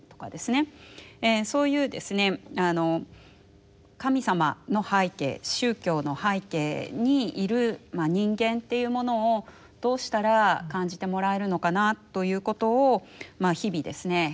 そういう神様の背景宗教の背景にいる人間っていうものをどうしたら感じてもらえるのかなということを日々ですね